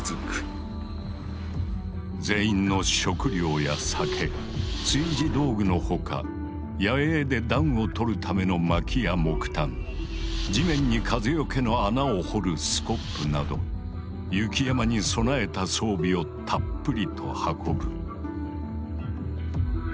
全員の食料や酒炊事道具の他野営で暖をとるための薪や木炭地面に風よけの穴を掘るスコップなど雪山に備えた装備をたっぷりと運ぶ。